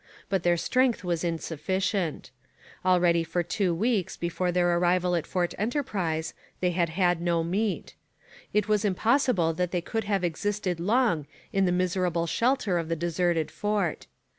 But their strength was insufficient. Already for two weeks before their arrival at Fort Enterprise they had had no meat. It was impossible that they could have existed long in the miserable shelter of the deserted fort.